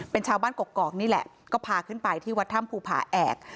เป็นชาวบ้านกกอกนี่แหละก็พาขึ้นไปที่วัดถ้ำภูผาแอก